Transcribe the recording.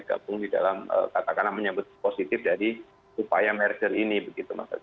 gabung di dalam katakanlah menyebut positif dari upaya merger ini begitu mas